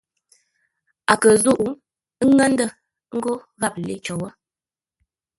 A kə̂ nzúʼ ńŋə́ ndə̂ ńgó gháp lê cər wó.